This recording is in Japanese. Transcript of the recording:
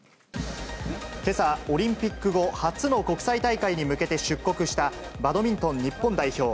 けさ、オリンピック後初の国際大会に向けて出国したバドミントン日本代表。